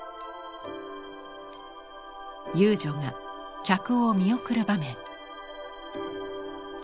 遊女が客を見送る場面。